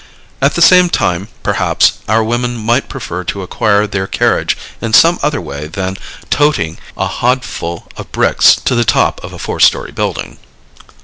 At the same time, perhaps, our women might prefer to acquire their carriage in some other way than "toting" a hodful of bricks to the top of a four story building.